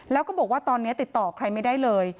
แล้วก็บอกว่าตอนนี้ติดต่อใครไม่ได้เลย